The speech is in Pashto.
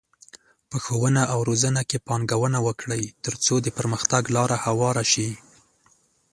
په ښوونه او روزنه کې پانګونه وکړئ، ترڅو د پرمختګ لاره هواره شي.